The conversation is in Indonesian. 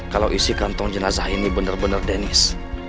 kalau isi kantong jenazah ini bener bener dennis